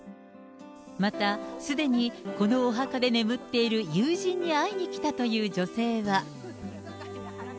また、すでにこのお墓で眠っている友人に会いに来たという女性は。